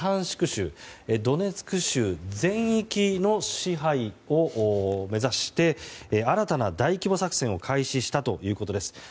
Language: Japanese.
州ドネツク州全域の支配を目指して新たな大規模作戦を開始したということです。